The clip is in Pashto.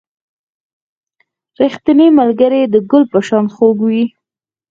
• ریښتینی ملګری د ګل په شان خوږ وي.